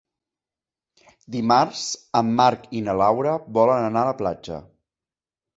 Dimarts en Marc i na Laura volen anar a la platja.